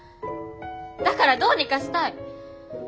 だからどうにかしたい。